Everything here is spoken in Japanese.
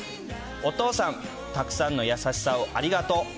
お父さん、たくさんの優しさをありがとう。